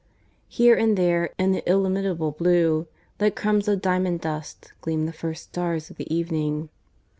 Here and there, in the illimitable blue, like crumbs of diamond dust, gleamed the first stars of evening.